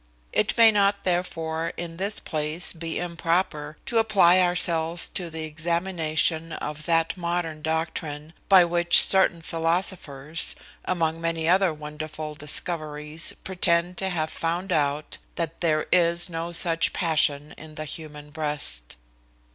It may not therefore in this place be improper to apply ourselves to the examination of that modern doctrine, by which certain philosophers, among many other wonderful discoveries, pretend to have found out, that there is no such passion in the human breast.